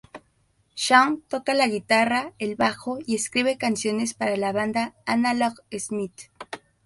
Shaun toca la guitarra, el bajo y escribe canciones para la banda "Analog Smith".